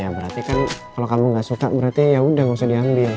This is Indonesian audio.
ya berarti kan kalau kamu nggak suka berarti yaudah nggak usah diambil